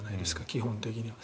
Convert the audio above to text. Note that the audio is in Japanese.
基本的には。